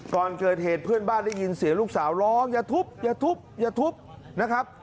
ก่อนเกิดเหตุเพื่อนบ้านได้ยินเสียงลูกสาวร้องอย่าทุบอย่าทุบอย่าทุบนะครับ